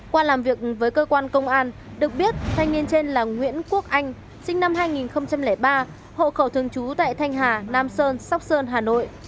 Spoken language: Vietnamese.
qua làm việc với cơ quan công an được biết thanh niên trên là nguyễn quốc anh sinh năm hai nghìn ba hộ khẩu thường trú tại thanh hà nam sơn sóc sơn hà nội